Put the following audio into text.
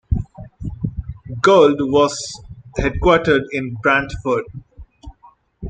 Gould was headquartered in Brantford.